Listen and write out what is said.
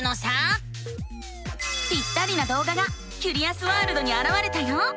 ぴったりなどうががキュリアスワールドにあらわれたよ。